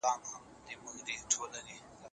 مشاهده په ساینس کي مهم اصل دی.